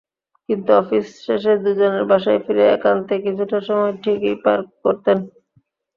কিন্তু অফিস শেষে দুজনে বাসায় ফিরে একান্তে কিছুটা সময় ঠিকই পার করতেন।